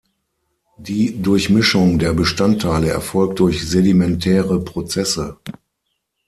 Die Durchmischung der Bestandteile erfolgt durch sedimentäre Prozesse.